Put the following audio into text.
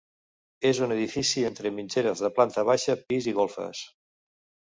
És un edifici entre mitgeres de planta baixa, pis i golfes.